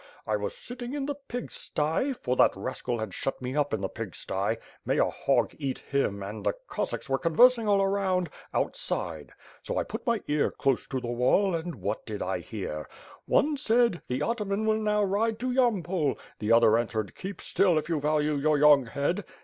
I was sitting in the pig WITH FIRE AND tiWORD, 505 sty, for that rascal had shut me up in the pigsty, — ^may a hog eat him, and the Cossacks were conversing all around, out side, so I put my ear close to the wall, and what did 1 hear? One said *the ataman will now ride to Yampol,' the other answered, 'Keep still, if you value your young head.'